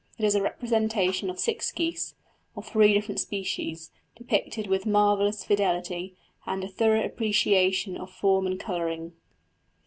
It is a representation of six geese, of three different species, depicted with marvellous fidelity, and a thorough appreciation of form and colouring.